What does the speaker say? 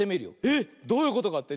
えっどういうことかって？